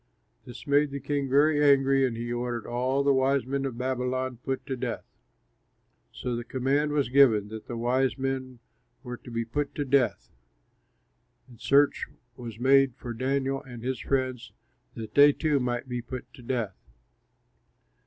This made the king very angry and he ordered all the wise men of Babylon put to death. So the command was given that the wise men were to be put to death. And search was made for Daniel and his friends that they too might be put to death.